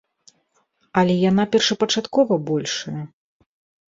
Але яна першапачаткова большая.